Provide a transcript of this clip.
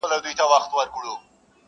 ما له کيسې ژور اغېز واخيست,